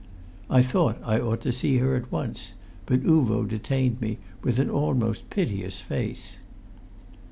I thought I ought to see her at once, but Uvo detained me with an almost piteous face.